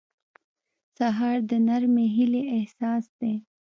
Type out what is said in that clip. سهار د نرمې هیلې احساس دی.